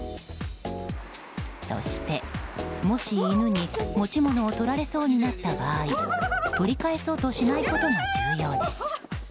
そして、もし犬に持ち物を取られそうになった場合取り返そうとしないことが重要です。